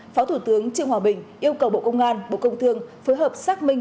phó thủ tướng trương hòa bình yêu cầu bộ công an bộ công thương phối hợp xác minh